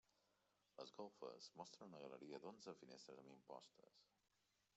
Les golfes mostren una galeria d'onze finestres amb impostes.